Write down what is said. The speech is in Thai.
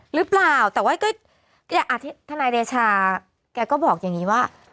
หรือเปล่าแต่ว่าก็ทนายเดชาแกก็บอกอย่างนี้ว่า